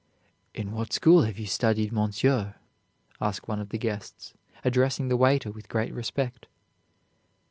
"In what school have you studied, Monsieur?" asked one of the guests, addressing the waiter with great respect.